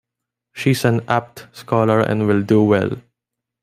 She's an apt scholar and will do well.